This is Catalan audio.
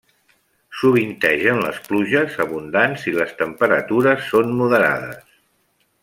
Sovintegen les pluges abundants i les temperatures són moderades.